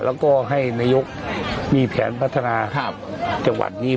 แล้วก็ให้นายกมีแผนพัฒนา๕จังหวัดนี้